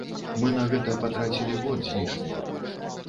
Мы на гэта патрацілі год з лішнім.